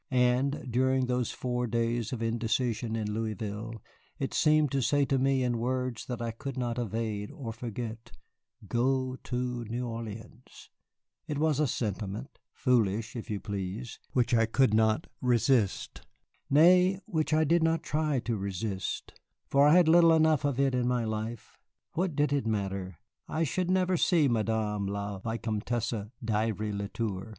And, during those four days of indecision in Louisville, it seemed to say to me in words that I could not evade or forget, "Go to New Orleans." It was a sentiment foolish, if you please which could not resist. Nay, which I did not try to resist, for I had little enough of it in my life. What did it matter? I should never see Madame la Vicomtesse d'Ivry le Tour.